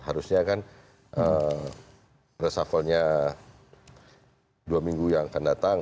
harusnya kan resafelnya dua minggu yang akan datang